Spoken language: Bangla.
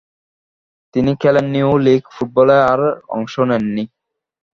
তিনি খেলেননি ও লিগ ফুটবলে আর অংশ নেননি।